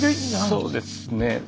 そうですね。